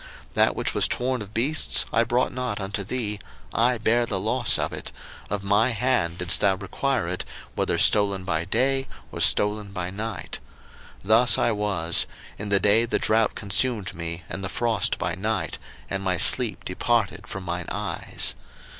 01:031:039 That which was torn of beasts I brought not unto thee; I bare the loss of it; of my hand didst thou require it, whether stolen by day, or stolen by night. 01:031:040 Thus I was; in the day the drought consumed me, and the frost by night; and my sleep departed from mine eyes.